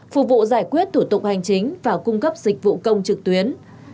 phục vụ giải quyết thủ tục hành chính và cung cấp dịch vụ công trực tuyến